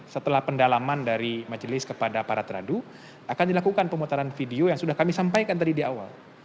setelah pendalaman dari majelis kepada para teradu akan dilakukan pemutaran video yang sudah kami sampaikan tadi di awal